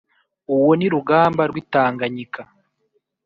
Uwo ni Rugamba rw’ i Tanganyika”!